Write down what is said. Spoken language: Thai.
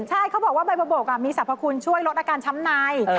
ใช่เขาบอกว่าใบบกมีสรรพคุณช่วยลดอาการช้ำใน